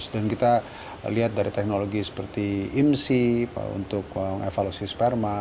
dan kita lihat dari teknologi seperti imsi untuk evaluasi sperma